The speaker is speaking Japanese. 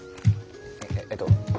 ええっと。